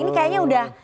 ini kayaknya udah